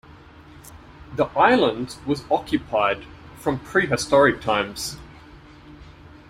The island was occupied from prehistoric times.